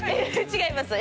違います。